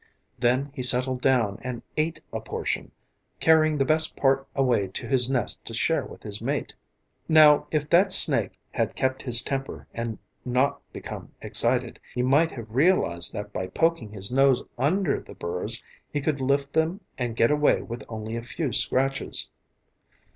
Then he settled down and ate a portion, carrying the best part away to his nest to share with his mate. Now, if that snake had kept his temper and not become excited, he might have realized that by poking his nose under the burrs he could lift them and get away with only a few scratches.